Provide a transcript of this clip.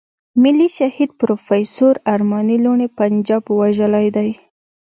ملي شهيد پروفېسور ارمان لوڼی پنجاب وژلی دی.